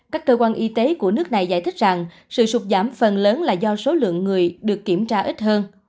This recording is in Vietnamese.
các cơ quan y tế của nước này giải thích rằng sự sụt giảm phần lớn là do số lượng người được kiểm tra ít hơn